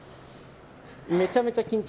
めちゃめちゃ緊張